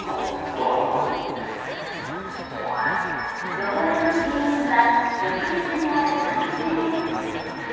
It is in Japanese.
汚れの原因は浴室にある換気扇です。